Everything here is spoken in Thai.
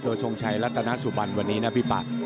โดยทรงชัยรัตนสุบันวันนี้นะพี่ปะ